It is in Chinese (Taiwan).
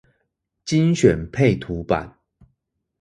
精選配圖版